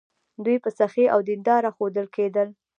دوی به سخي او دینداره ښودل کېدل.